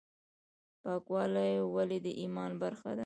پاکوالی ولې د ایمان برخه ده؟